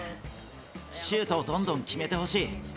シュートをどんどん決めてほしい。